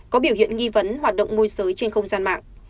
có biểu hiện nghi vấn hoạt động ngôi sới trên không gian mạng